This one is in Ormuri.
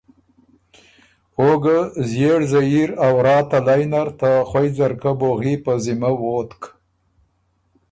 او ګۀ ݫئېړ زئیر ا ورا تلئ نر ته خوئ ځرکۀ بوغی په ذِمه ووتک